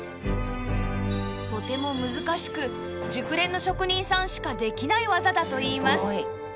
とても難しく熟練の職人さんしかできない技だといいます